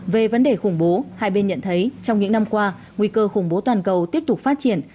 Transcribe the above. về vấn đề khủng bố hai bên nhận thấy trong những năm qua nguy cơ khủng bố toàn cầu tiếp tục phát triển